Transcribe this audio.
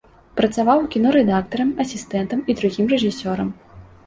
Працаваў у кіно рэдактарам, асістэнтам і другім рэжысёрам.